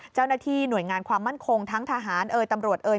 เจ้าหน้าที่หน่วยงานความมั่นคงทั้งทหารเอยตำรวจเอ่ย